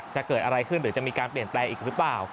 จะเกิดอะไรขึ้นหรือจะมีการเปลี่ยนแปลงอีกหรือเปล่า